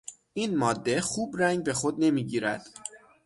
این ماده خوب رنگ به خود نمیگیرد.